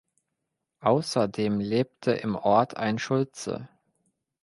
Außerdem lebte im Ort ein Schulze.